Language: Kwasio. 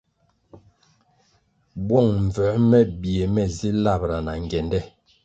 Bwong mbvuē me bie ne zi labʼra na ngyende.